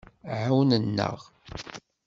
Ɛawnen-aɣ.